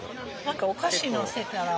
何かお菓子載せたら。